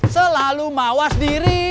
selalu mawas diri